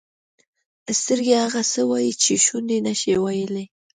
سترګې هغه څه وایي چې شونډې نه شي ویلای.